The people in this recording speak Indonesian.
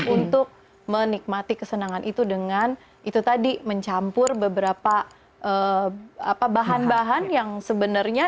untuk menikmati kesenangan itu dengan itu tadi mencampur beberapa bahan bahan yang sebenarnya